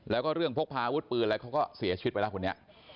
แล้วก็เรื่องพกพาอาวุธปืนอะไรเขาก็เสียชีวิตไปแล้วคนนี้